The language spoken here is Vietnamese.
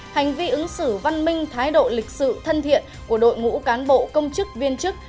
hành vi ứng xử văn minh thái độ lịch sự thân thiện của đội ngũ cán bộ công chức viên chức